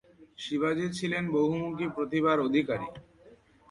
শিবাজী ছিলেন বহুমুখী প্রতিভার অধিকারী।